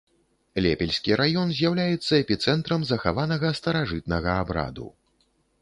Лепельскі раён з'яўляецца эпіцэнтрам захаванага старажытнага абраду.